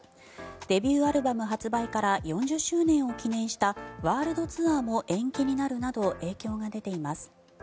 デビューアルバム発売から４０周年を記念したワールドツアーが延期になるなど影響が出ています。